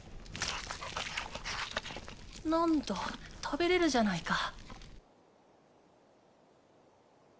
なんだ食べれるじゃないか。